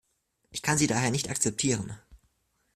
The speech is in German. Ich kann sie daher nicht akzeptieren.